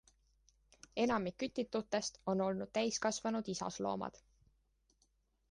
Enamik kütitutest on olnud täiskasvanud isasloomad.